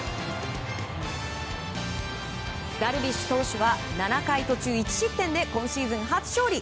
ダルビッシュ投手は７回途中１失点で今シーズン初勝利。